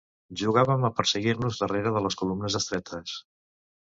Jugàvem a perseguir-nos darrere de les columnes estretes.